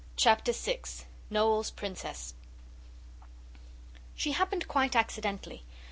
CHAPTER 6. NOEL'S PRINCESS She happened quite accidentally.